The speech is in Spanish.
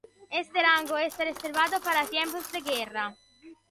Este rango está reservado para tiempos de guerra.